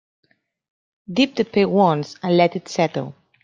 Dip the pail once and let it settle.